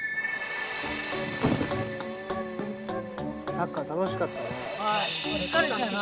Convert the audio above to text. サッカー楽しかったね。